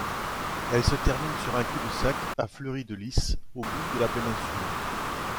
Elle se termine sur un cul-de-sac à Fleur-de-Lys, au bout de la péninsule.